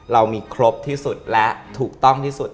เรามีครบที่สุดและถูกต้องที่สุด